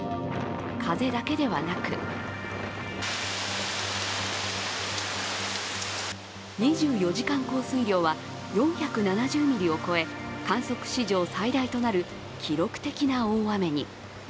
風だけではなく２４時間降水量は４７０ミリを超え、観測史上最大となる記録的な大雨に。